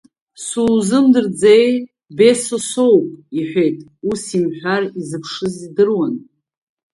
Сузымдырӡеи, Бесо соуп, — иҳәеит, ус имҳәар изыԥшыз идыруан.